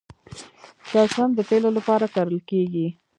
شړشم د تیلو لپاره کرل کیږي.